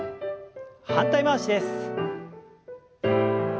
反対回しです。